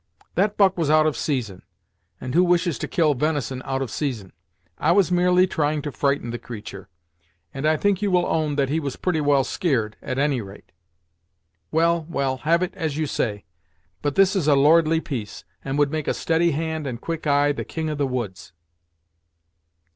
"That buck was out of season, and who wishes to kill venison out of season. I was merely trying to frighten the creatur', and I think you will own that he was pretty well skeared, at any rate." "Well, well, have it as you say. But this is a lordly piece, and would make a steady hand and quick eye the King of the Woods!"